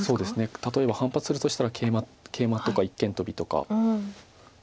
例えば反発するとしたらケイマとか一間トビとか。